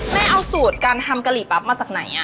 แม่เอาสูตรการทำกะหรี่ปั๊บมาจากไหน